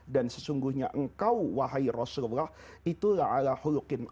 dan sesungguhnya engkau wahai rasulullah